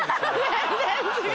全然違う！